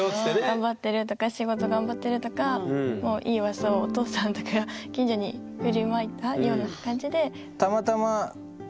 頑張ってるとか仕事頑張ってるとかもういいウワサをお父さんとか近所に振りまいたような感じで。